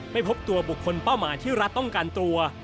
ไม่พบตัวบุคคลเป้าหมายที่รัฐต้องการตัว